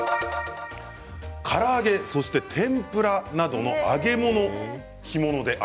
から揚げ、そして天ぷらなどの揚げ物です。